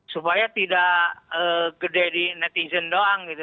supaya tidak gede di netizen doang gitu